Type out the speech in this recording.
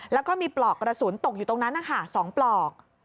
แล้วก็มีปลอกกระสุนตกอยู่ตรงนั้นนะคะ๒ปลอก